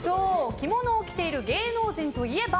着物を着ている芸能人といえば？